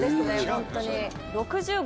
ホントに。